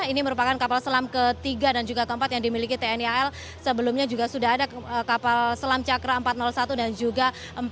ini merupakan kapal selam ketiga dan juga keempat yang dimiliki tni al sebelumnya juga sudah ada kapal selam cakra empat ratus satu dan juga empat